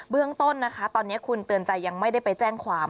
เรื่องต้นนะคะตอนนี้คุณเตือนใจยังไม่ได้ไปแจ้งความ